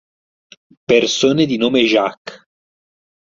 Persone di nome Jacques